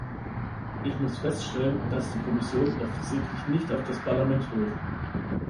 Ich muss feststellen, dass die Kommission offensichtlich nicht auf das Parlament hört.